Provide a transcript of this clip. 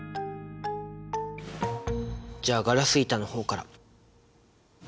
じゃあガラス板の方から。